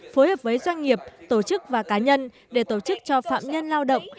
phối hợp với doanh nghiệp tổ chức và cá nhân để tổ chức cho phạm nhân lao động